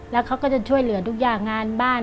แล้วเขาก็จะช่วยเหลือทุกอย่างงานบ้าน